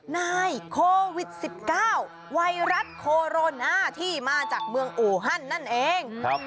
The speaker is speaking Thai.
นายโควิด๑๙ไวรัสโคโรนที่มาจากเมืองอูฮันนั่นเอง